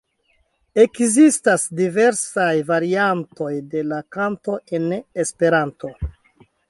Ekzistas diversaj variantoj de la kanto en Esperanto.